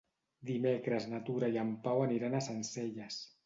Dimecres na Tura i en Pau aniran a Sencelles.